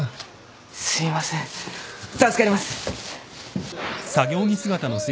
すいません助かります。